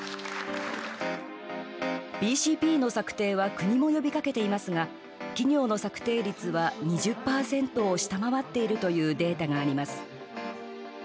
ＢＣＰの策定は国も呼びかけていますが企業の策定率は２０％を下回っているというデータがあります。